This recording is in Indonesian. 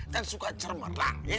kan suka cemerlang ya kan